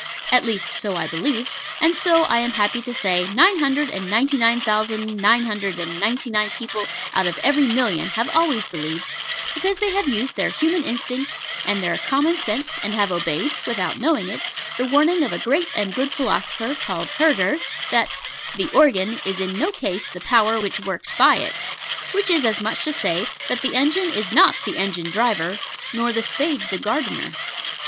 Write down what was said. At least so I believe; and so, I am happy to say, nine hundred and ninety nine thousand nine hundred and ninety nine people out of every million have always believed, because they have used their human instincts and their common sense, and have obeyed (without knowing it) the warning of a great and good philosopher called Herder, that "The organ is in no case the power which works by it;" which is as much as to say, that the engine is not the engine driver, nor the spade the gardener.